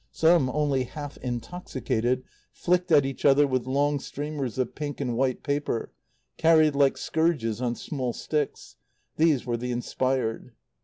Some, only half intoxicated, flicked at each other with long streamers of pink and white paper, carried like scourges on small sticks. These were the inspired.